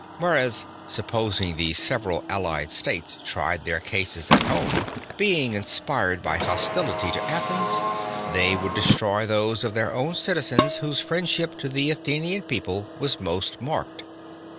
Whereas, supposing the several allied states tried their cases at home, being inspired by hostility to Athens, they would destroy those of their own citizens whose friendship to the Athenian People was most marked.